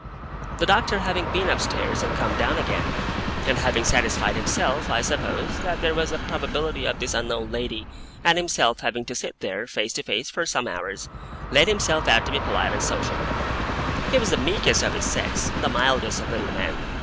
The doctor having been upstairs and come down again, and having satisfied himself, I suppose, that there was a probability of this unknown lady and himself having to sit there, face to face, for some hours, laid himself out to be polite and social. He was the meekest of his sex, the mildest of little men.